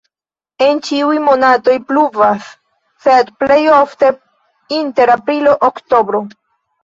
En ĉiuj monatoj pluvas, sed plej ofte inter aprilo-oktobro.